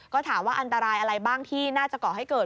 ก็ถามว่าอันตรายอะไรบ้างที่น่าจะก่อให้เกิด